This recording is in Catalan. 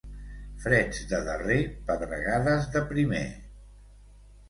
Freds de darrer, pedregades de primer.